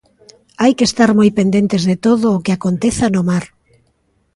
Hai que estar moi pendentes de todo o que aconteza no mar.